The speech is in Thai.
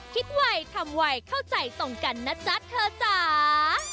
คิดไว้ทำไว้เข้าใจตรงกันน่ะจ๊ะเถอะจ๊า